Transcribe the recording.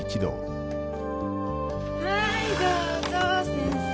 はいどうぞ先生。